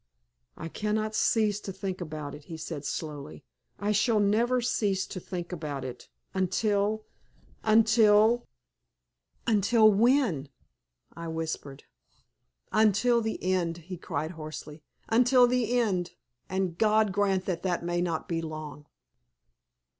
"I cannot cease to think about it," he said, slowly. "I shall never cease to think about it until until " "Until when?" I whispered. "Until the end," he cried, hoarsely "until the end, and God grant that it may not be long."